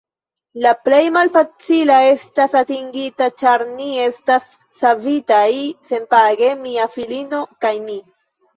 La plej malfacila estas atingita, ĉar ni estas savitaj senpage, mia filino kaj mi.